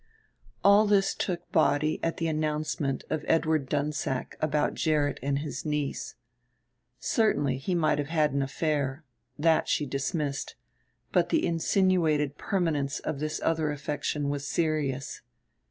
All this took body at the announcement of Edward Dunsack about Gerrit and his niece. Certainly he might have had an affair; that she dismissed; but the insinuated permanence of this other affection was serious.